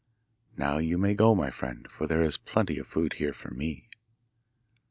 'Now you may go, my friend, for there is plenty of food here for me.